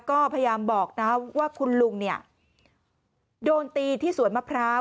ก็พยายามบอกนะว่าคุณลุงเนี่ยโดนตีที่สวนมะพร้าว